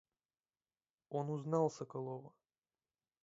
Он узнал Соколова.